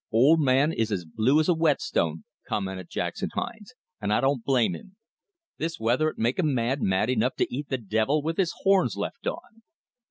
"Old man is as blue as a whetstone," commented Jackson Hines, "an' I don't blame him. This weather'd make a man mad enough to eat the devil with his horns left on."